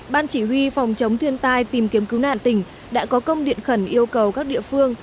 ban chỉ huy phòng chống thiên tai tìm kiếm cứu nạn tỉnh đã có công điện khẩn yêu cầu các địa phương